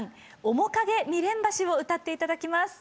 「面影・未練橋」を歌って頂きます。